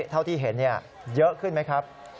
เท่าที่เห็นเยอะขึ้นไหมครับ